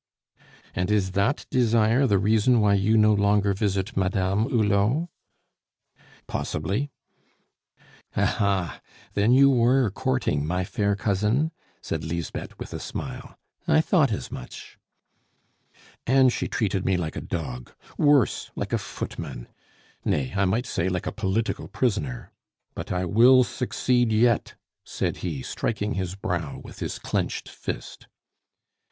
"And is that desire the reason why you no longer visit Madame Hulot?" "Possibly." "Ah, ha! then you were courting my fair cousin?" said Lisbeth, with a smile. "I thought as much." "And she treated me like a dog! worse, like a footman; nay, I might say like a political prisoner. But I will succeed yet," said he, striking his brow with his clenched fist.